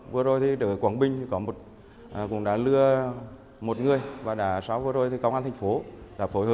vừa rồi thì được quảng bình có một cũng đã lừa một người và đã sau vừa rồi thì công an thành phố đã